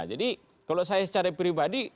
jadi kalau saya secara pribadi